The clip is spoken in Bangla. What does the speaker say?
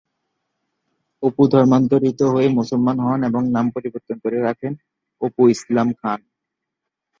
অপু ধর্মান্তরিত হয়ে মুসলমান হন এবং নাম পরিবর্তন করে রাখেন অপু ইসলাম খান।